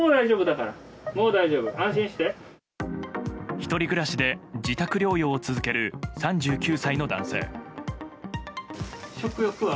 １人暮らしで自宅療養を続ける３９歳の男性。